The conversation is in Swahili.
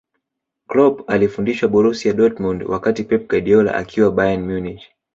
Kloop alifundisha borusia dortmund wakati pep guardiola akiwa bayern munich